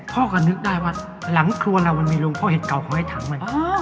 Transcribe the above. พ่อก็นึกได้ว่าหลังครัวเรามันมีลุงพ่อเห็ดเก่าของไอ้ถังมัน